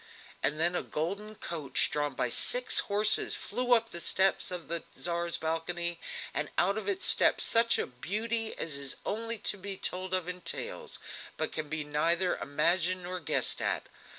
And then a golden coach drawn by six horses flew up the steps of the Tsar's balcony, and out of it stepped such a beauty as is only to be told of in tales, but can neither be imagined nor guessed at.